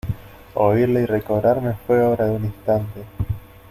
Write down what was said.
oírle y recobrarme fué obra de un instante.